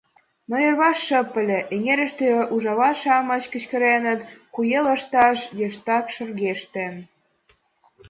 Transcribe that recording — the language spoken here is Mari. Но йырваш шып ыле, эҥерыште ужава-шамыч кычкыреныт, куэ лышташ йыштак шыргыктен.